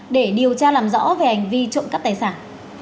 để điều tra làm rõ về hành vi trộm cắp tài sản